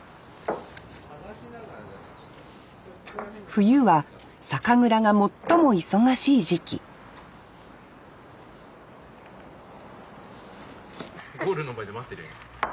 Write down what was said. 冬は酒蔵が最も忙しい時期ゴールの前で待ってりゃいい。